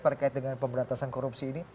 terkait dengan pemberantasan korupsi ini